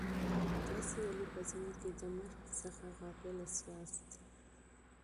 تاسي ولي په ژوند کي د مرګ څخه غافله سواست؟